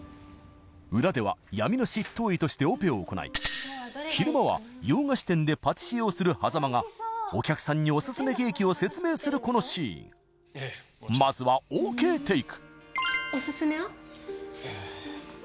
裏では闇の執刀医としてオペを行い昼間は洋菓子店でパティシエをする波佐間がお客さんにオススメケーキを説明するこのシーンまずはＯＫテイク